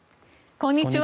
こんにちは。